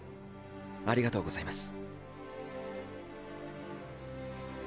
ありがとうございます。